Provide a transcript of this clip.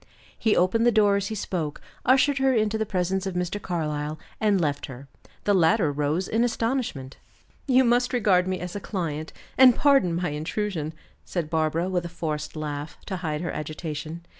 '" He opened the door as he spoke, ushered her into the presence of Mr. Carlyle, and left her. The latter rose in astonishment. "You must regard me as a client, and pardon my intrusion," said Barbara, with a forced laugh, to hide her agitation.